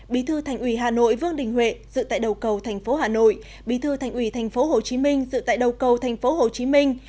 bí thư thành ủy hà nội vương đình huệ dự tại đầu cầu thành phố hà nội bí thư thành ủy thành phố hồ chí minh dự tại đầu cầu thành phố hồ chí minh